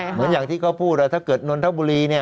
เหมือนอย่างที่เขาพูดถ้าเกิดนนทบุรีเนี่ย